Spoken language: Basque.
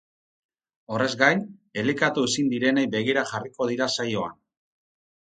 Horrez gain, elikatu ezin direnei begira jarriko dira saioan.